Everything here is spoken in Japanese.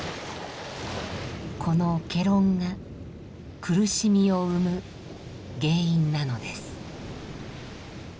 この戯論が苦しみを生む原因なのです。